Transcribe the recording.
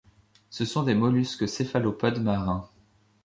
Ce sont des mollusques céphalopodes marins.